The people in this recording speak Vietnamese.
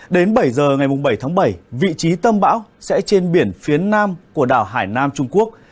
đến bảy giờ ngày bảy tháng bảy vị trí tâm bão sẽ trên biển phía nam của đảo hải nam trung quốc